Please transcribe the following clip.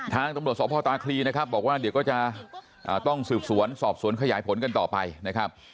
ทางตำรวจสพตาคลีนะครับบอกว่าเดี๋ยวก็จะต้องสืบสวนสอบสวนขยายผลกันต่อไปนะครับ